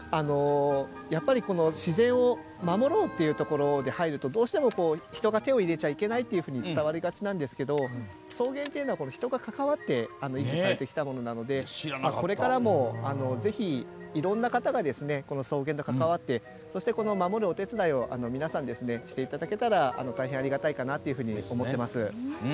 自然を守ろうというところで入るとどうしても人が手を入れちゃいけないっていうふうに伝わりがちなんですけど草原っていうのは人が関わって維持されてきたものなのでこれからもぜひいろんな方がこの草原と関わって守るお手伝いを皆さん、していただけたら大変ありがたいかなと思っています。